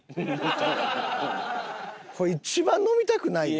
これ一番飲みたくないで。